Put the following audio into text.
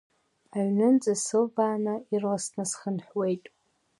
Аҩнынӡа сылбааны ирласны схынҳәит.